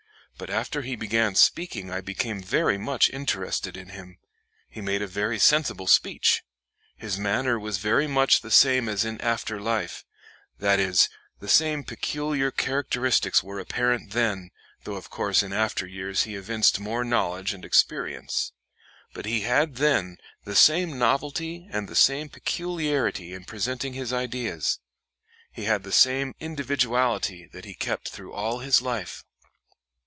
But after he began speaking I became very much interested in him. He made a very sensible speech. His manner was very much the same as in after life; that is, the same peculiar characteristics were apparent then, though of course in after years he evinced more knowledge and experience. But he had then the same novelty and the same peculiarity in presenting his ideas. He had the same individuality that he kept through all his life."